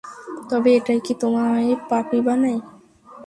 তবে এটাই কি তোমায় পাপী বানায়?